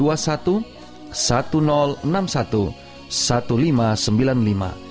atau anda juga dapat menghubungi kami